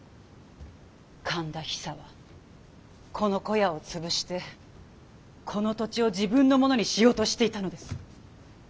神田ヒサはこの小屋を潰してこの土地を自分のものにしようとしていたのです。